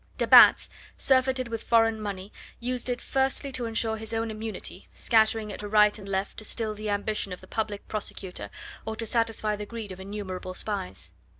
De Batz, surfeited with foreign money, used it firstly to ensure his own immunity, scattering it to right and left to still the ambition of the Public Prosecutor or to satisfy the greed of innumerable spies.